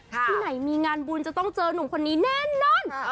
ที่ไหนมีงานบุญจะต้องเจอนุ่มคนนี้แน่นอน